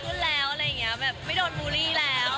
ก็จะบอกว่าดูดีขึ้นแล้วไม่โดนบูรีแล้ว